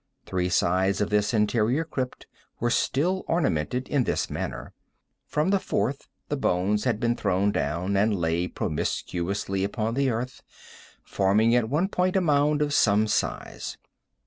Three sides of this interior crypt were still ornamented in this manner. From the fourth the bones had been thrown down, and lay promiscuously upon the earth, forming at one point a mound of some size.